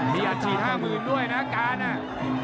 มีอาชีพห้ามือด้วยนะการน่ะ